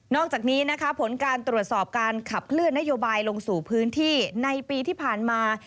อกจากนี้นะคะผลการตรวจสอบการขับเคลื่อนนโยบายลงสู่พื้นที่ในปีที่ผ่านมา